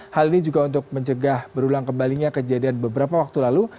hal ini juga untuk mencegah berulang kembalinya kejadian beberapa waktu lalu